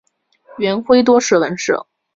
元晖多涉文史。